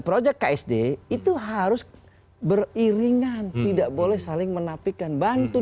projek ksd itu hal yang benar benar pentingnya di dalam hal hal ini ini banyak yang diserahkan